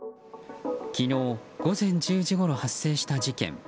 昨日午前１０時ごろ発生した事件。